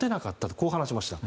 こう話しました。